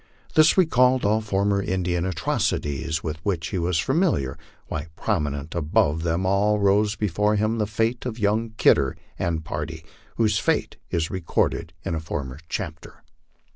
This recalled all former Indian atrocities with which he was familiar, while prominent above them all rose before him the fate of young Kidder and party, whose fate is recorded in a former chapter.